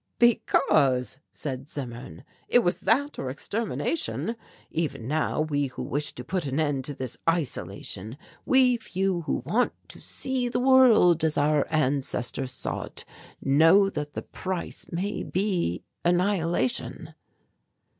"Because," said Zimmern, "it was that or extermination. Even now we who wish to put an end to this isolation, we few who want to see the world as our ancestors saw it, know that the price may be annihilation."